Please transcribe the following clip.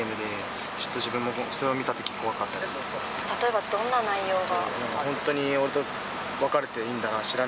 例えば、どんな内容が？